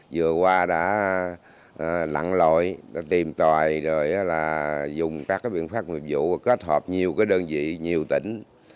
vừa qua đã nặng lội tìm tòi dùng các biện pháp nghiệp vụ kết hợp nhiều đơn vị nhiều tỉnh